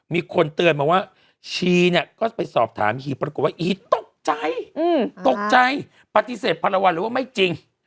มีคนเตือนว่าฮีก็ไปสอบถามฮีปรากฎว่าฮีตกใจปฏิเสธภรรณหรือว่าไม่จริง